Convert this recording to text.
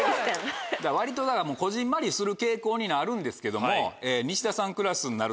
割とこぢんまりする傾向になるんですけども。